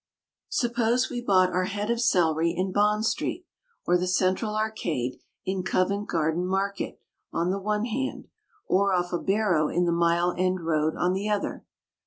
Suppose we bought our head of celery in Bond Street or the Central Arcade in Covent Garden Market on the one hand, or off a barrow in the Mile End Road on the other.